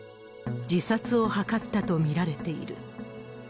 自殺を図ったと見られている。